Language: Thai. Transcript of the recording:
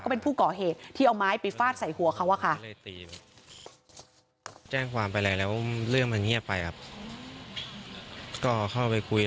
เป็นผู้ก่อเหตุที่เอาไม้ไปฟาดใส่หัวเขาอะค่ะ